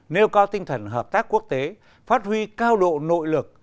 nêu cao tinh thần hợp tác quốc tế phát huy cao độ nội lực